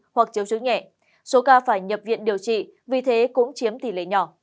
không có triệu chứng hoặc triệu chứng nhẹ số ca phải nhập viện điều trị vì thế cũng chiếm tỷ lệ nhỏ